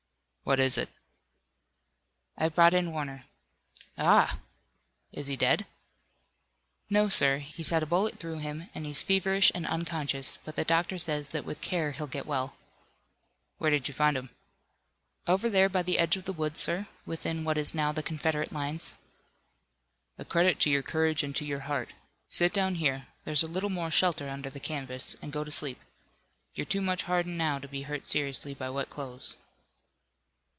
"What is it?" "I've brought in Warner." "Ah! Is he dead?" "No, sir. He's had a bullet through him and he's feverish and unconscious, but the doctor says that with care he'll get well." "Where did you find him?" "Over there by the edge of the wood, sir, within what is now the Confederate lines." "A credit to your courage and to your heart. Sit down here. There's a little more shelter under the canvas, and go to sleep. You're too much hardened now to be hurt seriously by wet clothes."